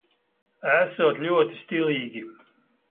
Esot ļoti stilīgi.